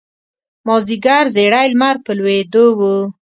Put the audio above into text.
مازیګر زیړی لمر په لویېدو و.